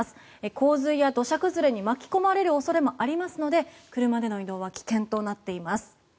洪水や土砂崩れに巻き込まれる恐れもありますので車での移動は危険となっています。